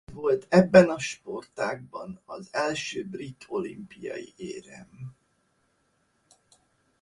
Ez volt ebben a sportágan az első brit olimpiai érem.